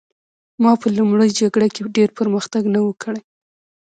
ما په لومړۍ جګړه کې ډېر پرمختګ نه و کړی